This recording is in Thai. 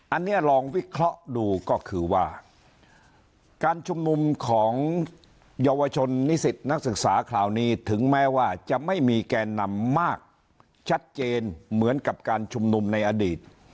อันนี้ลองวิเคราะห์ดูก็คือว่าการชุมนุมของเยาวชนนิสิตนักศึกษาคราวนี้ถึงแม้ว่าจะไม่มีแกนนำมากชัดเจนเหมือนกับการชุมนุมในอดีต